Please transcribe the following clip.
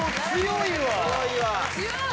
強いわ。